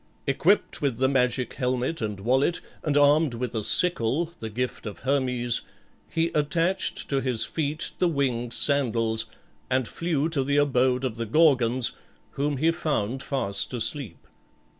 Equipped with the magic helmet and wallet, and armed with a sickle, the gift of Hermes, he attached to his feet the winged sandals, and flew to the abode of the Gorgons, whom he found fast asleep.